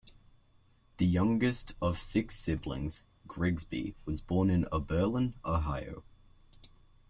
The youngest of six siblings, Grigsby was born in Oberlin, Ohio.